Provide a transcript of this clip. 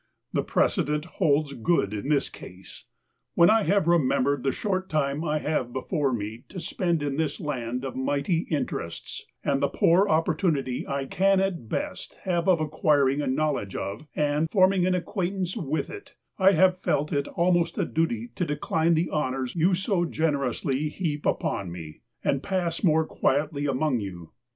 The precedent holds good in this case. When I have remembered the short time I have before me to spend in this land of mighty interests, and the poor opportunity I can at best have of acquiring a knowledge of, and forming an ac quaintance with it, 1 have felt it almost a duty to decline the honors you so generously heap upon me, and pass more quietly among you.